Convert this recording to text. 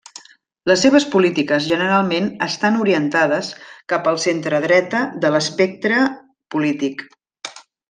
Les seves polítiques generalment estan orientades cap al centredreta de l'espectre polític.